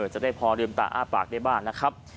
จะได้พอลืมตาอ้าปากได้บ้างนะครับ